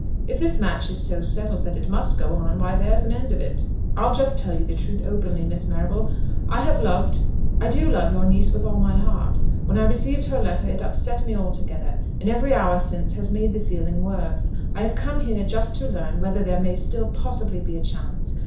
If this match is so settled that it must go on, why there's an end of it. I'll just tell you the truth openly, Miss Marrable. I have loved, I do love your niece with all my heart. When I received her letter it upset me altogether, and every hour since has made the feeling worse. I have come here just to learn whether there may still possibly be a chance.